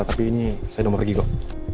tapi ini saya nomor pergi kok